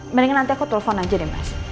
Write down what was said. mendingan nanti aku telfon aja deh mas